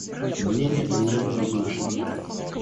Мнения о ней прибывших.